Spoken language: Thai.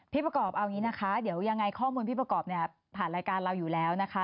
ประกอบเอาอย่างนี้นะคะเดี๋ยวยังไงข้อมูลพี่ประกอบเนี่ยผ่านรายการเราอยู่แล้วนะคะ